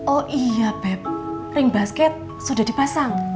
oh iya pep ring basket sudah dipasang